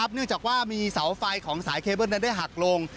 เนื่องจากว่ามีเสาไฟของสายเคเบิ้ลนั้นได้หักลง